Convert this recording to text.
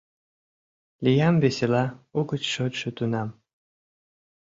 Лиям весела, угыч шочшо тунам.